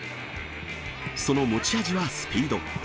その持ち味はスピード。